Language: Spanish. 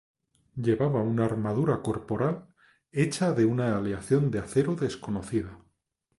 Llevaba una armadura corporal hecha de una aleación de acero desconocida.